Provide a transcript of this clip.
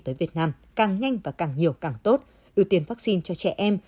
tới việt nam càng nhanh và càng nhiều càng tốt ưu tiên vaccine cho trẻ em